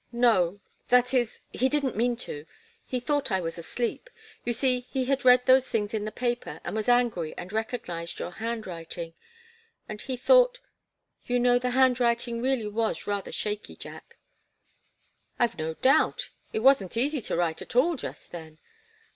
"No that is he didn't mean to. He thought I was asleep you see he had read those things in the papers, and was angry and recognized your handwriting and he thought you know the handwriting really was rather shaky, Jack." "I've no doubt. It wasn't easy to write at all, just then."